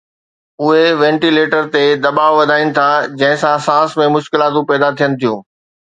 اهي وينٽيليٽر تي دٻاءُ وڌائين ٿا جنهن سان سانس ۾ مشڪلاتون پيدا ٿين ٿيون